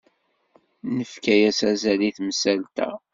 Nefka-as azal i temsalt-a.